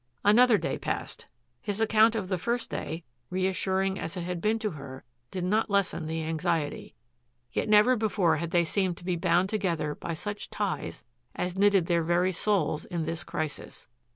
Another day passed. His account of the first day, reassuring as it had been to her, did not lessen the anxiety. Yet never before had they seemed to be bound together by such ties as knitted their very souls in this crisis.